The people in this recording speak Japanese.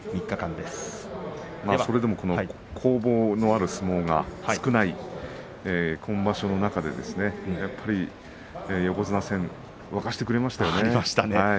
でも攻防のある相撲が少ない今場所の中で横綱戦、沸かせてくれましたね。